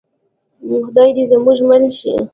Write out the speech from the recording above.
خدای دې زموږ مل شي؟